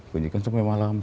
punyikan sampai malam